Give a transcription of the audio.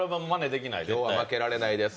もう負けられないです。